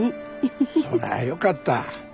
そりゃよかった。